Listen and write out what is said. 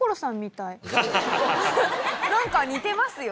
何か似てますよ